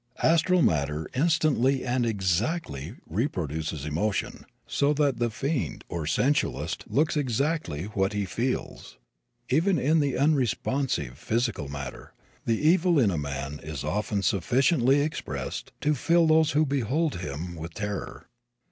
Astral matter instantly and exactly reproduces emotion, so that the fiend or the sensualist looks exactly what he feels. Even in the unresponsive physical matter, the evil in a man is often sufficiently expressed to fill those who behold him with terror.